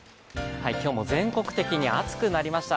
今日も全国的に暑くなりました。